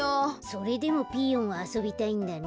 それでもピーヨンはあそびたいんだね。